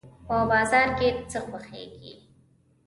په بازار کې څه خوښوئ؟